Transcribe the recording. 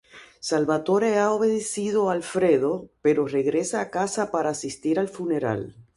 Salvatore ha obedecido a Alfredo, pero regresa a casa para asistir al funeral.